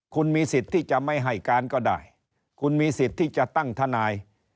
คุณมีสิทธิ์ที่จะไม่ให้การก็ได้คุณมีสิทธิ์ที่จะตั้งทนาย